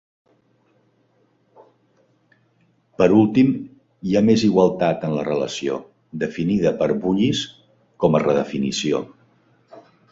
Per últim, hi ha més igualtat en la relació, definida per Bullis com a redefinició.